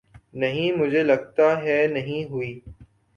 نہیں مجھےلگتا ہے نہیں ہوئی